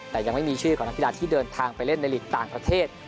แต่ยังไม่มีชื่อของนักกีฬาที่เดินทางไปเล่นในหลีกต่างประเทศ